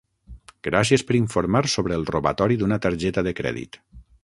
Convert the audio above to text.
Gràcies per informar sobre el robatori d'una targeta de crèdit.